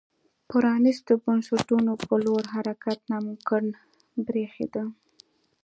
پرانیستو بنسټونو په لور حرکت ناممکن برېښېده.